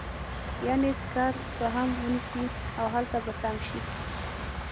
يعنې سکر به هم ونيسي او هلته به تم شي.